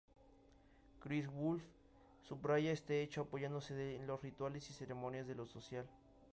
Christoph Wulf subraya este hecho apoyándose en los rituales y ceremonias de lo social.